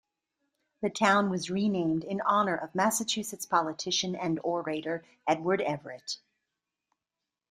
The town was renamed in honor of Massachusetts politician and orator Edward Everett.